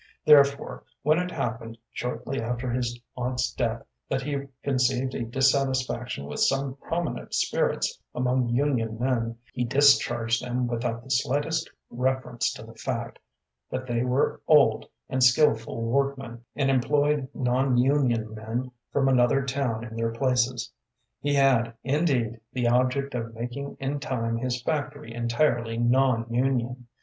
Therefore, when it happened, shortly after his aunt's death, that he conceived a dissatisfaction with some prominent spirits among union men, he discharged them without the slightest reference to the fact that they were old and skilful workmen, and employed non union men from another town in their places. He had, indeed, the object of making in time his factory entirely non union.